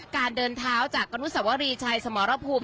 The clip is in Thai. การเดินเท้าจากอนุสวรีชัยสมรภูมิ